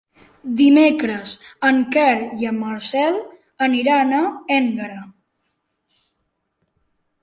Dimecres en Quer i en Marcel aniran a Énguera.